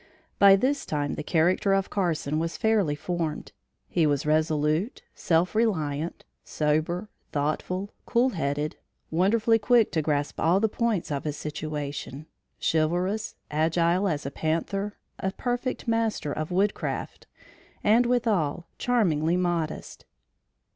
By this time the character of Carson was fairly formed. He was resolute, self reliant, sober, thoughtful, cool headed, wonderfully quick to grasp all the points of a situation, chivalrous, agile as a panther, a perfect master of woodcraft, and withal, charmingly modest.